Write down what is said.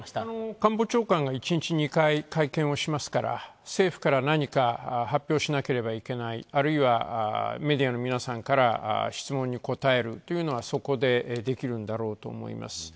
官房長官が１日２回、会見しますから政府から何か発表しなければいけない、あるいは、メディアの皆さんから質問に答えるというのはそこでできるんだろうと思います。